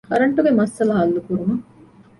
ކަރަންޓުގެ މައްސަލަ ޙައްލުކުރުމަށް